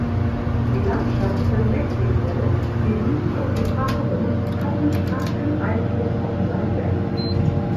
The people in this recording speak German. Die Landschaften Mexikos, die Wüste und die Farben hatten starken Einfluss auf sein Werk.